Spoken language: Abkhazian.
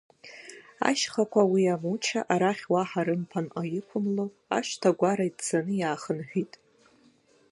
Ашьхақәа уи амуча арахь уаҳа рымԥанҟа иқәымло ашҭа-агәара иҭцаны иаахынҳәит…